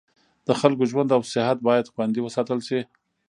د خلکو ژوند او صحت باید خوندي وساتل شي.